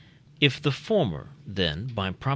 If the former, then (by Prop.